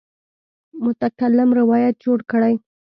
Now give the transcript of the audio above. متکلم روایت جوړ کړی.